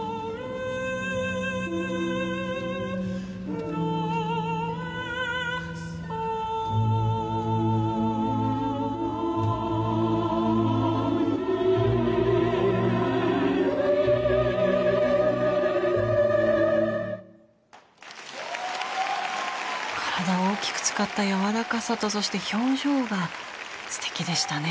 次は体を大きく使ったやわらかさとそして表情がすてきでしたね。